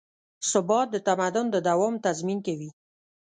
ثبات د تمدن د دوام تضمین کوي.